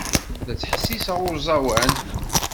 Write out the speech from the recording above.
La ttḥessiseɣ i uẓawan.